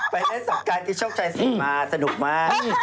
และปีนี้ไปสการกิจชมใจเสียงมากสนุกมาก